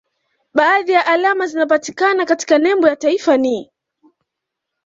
Baadhi ya alama zinazopatikana katika nembo ya taifa ni